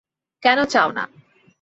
কেন চাও না।